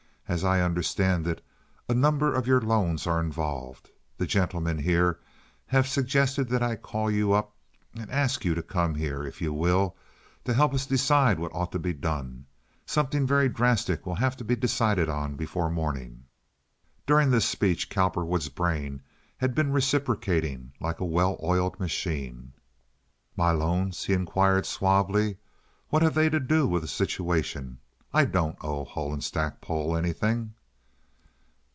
As I understand it, a number of your loans are involved. The gentlemen here have suggested that I call you up and ask you to come here, if you will, to help us decide what ought to be done. Something very drastic will have to be decided on before morning." During this speech Cowperwood's brain had been reciprocating like a well oiled machine. "My loans?" he inquired, suavely. "What have they to do with the situation? I don't owe Hull & Stackpole anything."